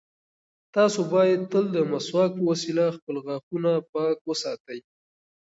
تاسو باید تل د مسواک په وسیله خپل غاښونه پاک وساتئ.